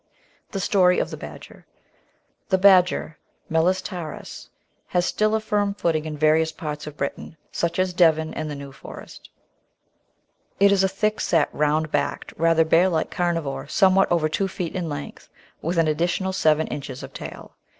The Story of the Badger The Badger (Meles taaus) has still a firm footing in various parts of Britain, such as Devon and the New Forest. It is a 478 The Outline of Science thick set, round backed, rather bear like carnivore, somewhat over two feet in length, with an additional seven inches of tail.